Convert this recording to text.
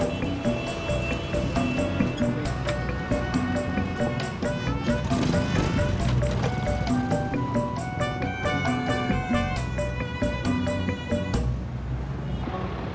mas mbak aninya ternyata udah pindah